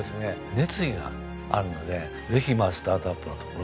熱意があるのでぜひスタートアップのところから。